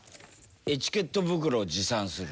エチケット袋を持参する。